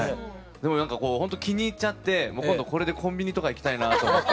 でもなんかこうほんと気に入っちゃって今度これでコンビニとか行きたいなとかって。